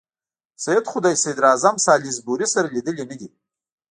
سید خو له صدراعظم سالیزبوري سره لیدلي نه دي.